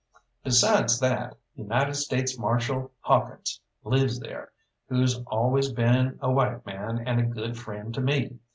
Besides that, United States Marshal Hawkins lives there, who's always been a white man and a good friend to me.